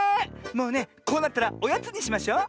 もうねこうなったらおやつにしましょう。